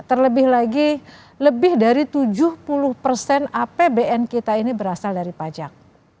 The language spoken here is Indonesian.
terlebih lagi lebih dari tujuh puluh persen apbn kita ini berasal dari pajak